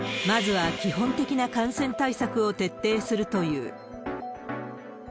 まずは基本的な感染対策を徹底するという。